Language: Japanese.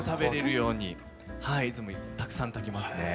いつもたくさん炊きますね。